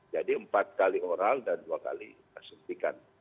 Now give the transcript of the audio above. jadi empat kali oral dan dua kali suntikan